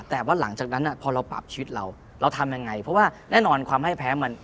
แต่ว่าหลังจากนั้นพอเราปรับชีวิตเราเราทำยังไงเพราะว่าแน่นอนความให้แพ้มัน